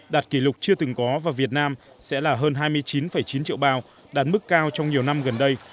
đạt kỷ lục chưa từng có và việt nam sẽ là hơn hai mươi chín chín triệu bao đạt mức cao trong nhiều năm gần đây